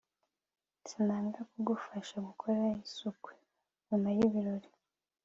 sinanga kugufasha gukora isuku nyuma yibirori